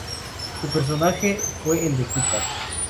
Su personaje fue el de Tuca.